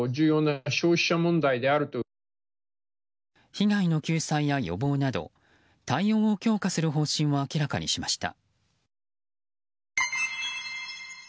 被害の救済や予防など対応を強化する方針を明らかにしました。